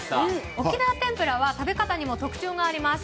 沖縄天ぷらは食べ方にも特徴があるんです。